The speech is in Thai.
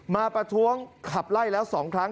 ประท้วงขับไล่แล้ว๒ครั้ง